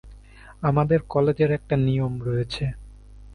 আমাদের কলেজের একটা নিয়ম রয়েছে।